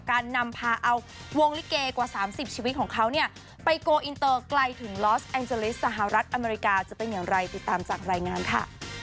การนำพาเอาวงลิเกกว่า๓๐ชีวิตของเขาเนี่ยไปโกลอินเตอร์ไกลถึงลอสแองเจลิสหรัฐอเมริกาจะเป็นอย่างไรติดตามจากรายงานค่ะ